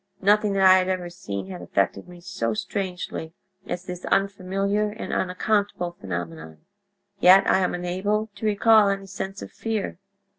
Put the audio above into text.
"Nothing that I had ever seen had affected me so strangely as this unfamiliar and unaccountable phenomenon, yet I am unable to recall any sense of fear.